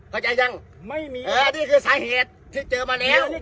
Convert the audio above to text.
เข้าใจยังไม่มีอันนี้คือสาเหตุที่เจอมาแล้ว